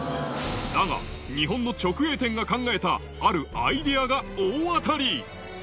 だが、日本の直営店が考えたあるアイデアが大当たり。